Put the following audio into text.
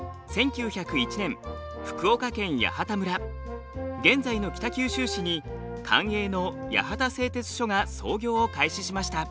１９０１年福岡県八幡村現在の北九州市に官営の八幡製鉄所が操業を開始しました。